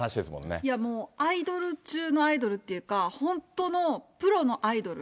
いや、もう、アイドル中のアイドルっていうか、本当のプロのアイドル。